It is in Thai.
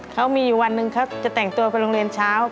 เขามีอยู่วันหนึ่งเขาจะแต่งตัวไปโรงเรียนเช้า